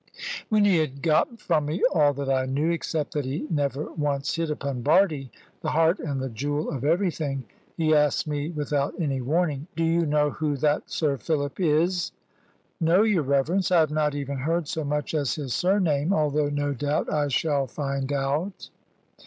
When he had got from me all that I knew except that he never once hit upon Bardie (the heart and the jewel of everything), he asked me without any warning "Do you know who that Sir Philip is?" "No, your reverence; I have not even heard so much as his surname, although, no doubt, I shall find out."